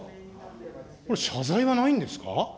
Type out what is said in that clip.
これ、謝罪はないんですか。